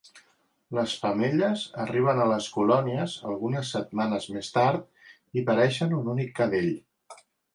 Les femelles arriben a les colònies algunes setmanes més tard i pareixen un únic cadell.